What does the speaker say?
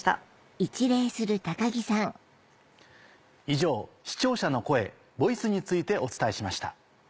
以上「視聴者の声ＶＯＩＣＥ」についてお伝えしました。